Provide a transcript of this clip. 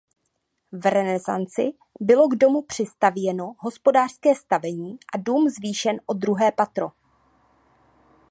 V renesanci bylo k domu přistavěno hospodářské stavení a dům zvýšen o druhé patro.